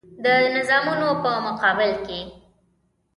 د نظامونو په مقابل کې.